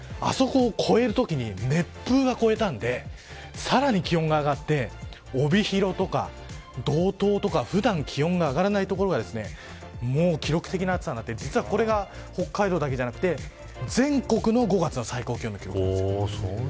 あそこ越えるときに熱風が越えたのでさらに気温が上がって帯広とか道東とか普段気温が上がらない所が記録的な暑さになってこれが北海道だけでなく全国の５月の最高気温になりました。